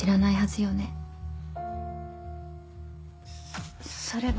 そそれは。